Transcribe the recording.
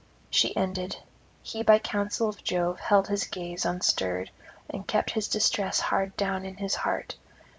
She ended; he by counsel of Jove held his gaze unstirred, and kept his distress hard down in his heart.